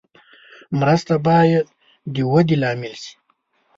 مرسته باید د ودې لامل شي.